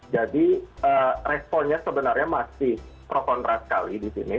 jadi responnya sebenarnya masih pro kontrak sekali di sini